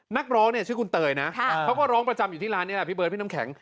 นักร้องเนี่ยชื่อคุณเตยนะเขาก็ร้องประจำอยู่ที่ร้านนี้แหละพี่เบิร์ดพี่น้ำแข็ง